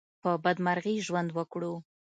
په بدمرغي ژوند وکړو.